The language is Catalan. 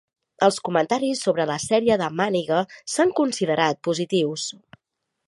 Els comentaris sobre la sèrie de màniga s'han considerat positius.